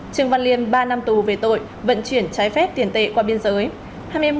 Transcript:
trường văn liên ba năm tù về tội vận chuyển trái phép tiền tệ qua biên giới